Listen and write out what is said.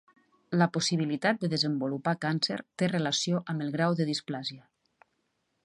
La possibilitat de desenvolupar càncer té relació amb el grau de displàsia.